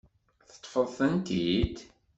Teṭṭfeḍ-tent-id?